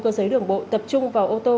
cơ giới đường bộ tập trung vào ô tô